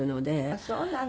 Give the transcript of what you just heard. あっそうなの。